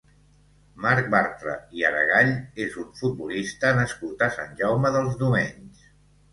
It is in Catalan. Marc Bartra i Aregall és un futbolista nascut a Sant Jaume dels Domenys.